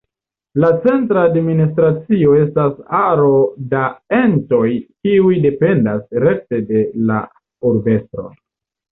La centra administracio estas aro da entoj kiuj dependas rekte de la Urbestro.